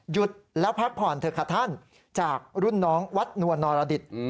หยุดแล้วพักผ่อนเถอะค่ะท่านจากรุ่นน้องวัดนวลนรดิษฐ์